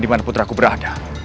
dimana putraku berada